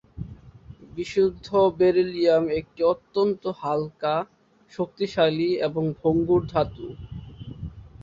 বিশুদ্ধ বেরিলিয়াম একটি অত্যন্ত হালকা, শক্তিশালী এবং ভঙ্গুর ধাতু।